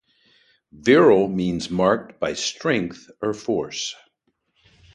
Virile means "marked by strength or force".